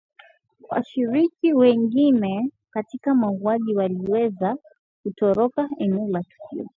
Washiriki wengine katika mauaji waliweza kutoroka eneo la tukio